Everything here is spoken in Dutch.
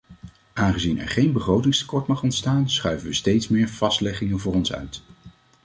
Aangezien er geen begrotingstekort mag ontstaan schuiven we steeds meer vastleggingen voor ons uit.